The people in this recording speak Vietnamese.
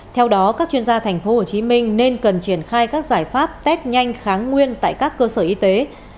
theo đó các chuyên gia tp hcm nên cần triển khai các giải pháp test nhanh kháng nguyên tại các cơ sở y tế